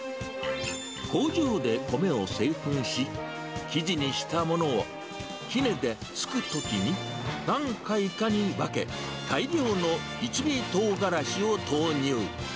工場で米を製粉し、生地にしたものを、杵でつくときに何回かに分け、大量の一味トウガラシを投入。